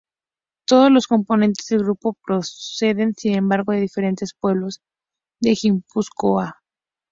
Todos los componentes del grupo proceden sin embargo de diferentes pueblos de Guipúzcoa.